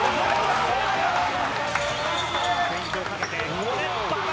フェイントをかけて、馬場！